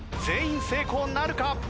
全員成功なるか？